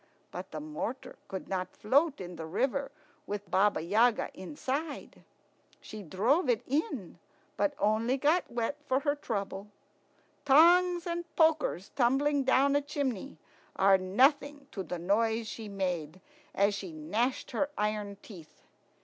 But the mortar could not float in the river with Baba Yaga inside. She drove it in, but only got wet for her trouble. Tongs and pokers tumbling down a chimney are nothing to the noise she made as she gnashed her iron teeth.